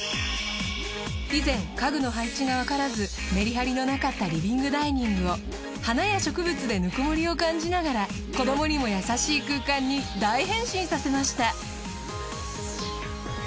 以前家具の配置がわからずメリハリのなかったリビング・ダイニングを花や植物でぬくもりを感じながら子どもにも優しい空間に大変身させました。